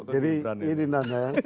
jadi ini di nandang